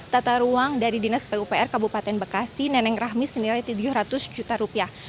tata ruang dari dinas pupr kabupaten bekasi neneng rahmi senilai tujuh ratus juta rupiah